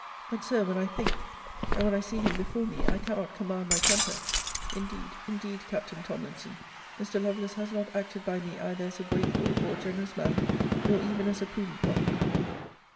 But, Sir, when I THINK, and when I see him before me, I cannot command my temper! Indeed, indeed, Captain Tomlinson, Mr. Lovelace has not acted by me either as a grateful or a generous man, nor even as a prudent one!